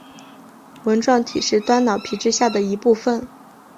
纹状体是端脑皮质下的一部份。